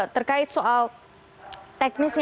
terkait soal teknisnya